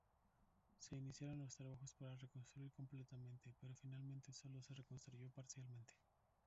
Se iniciaron los trabajos para reconstruir completamente, pero finalmente sólo se reconstruyó parcialmente.